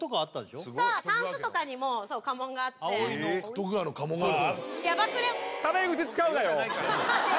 徳川の家紋がある？